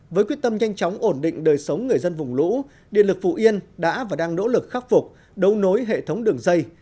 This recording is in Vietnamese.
với quyết tâm nhanh chóng ổn định đời sống người dân vùng lũ điện lực phú yên đã và đang nỗ lực khắc phục đấu nối hệ thống đường dây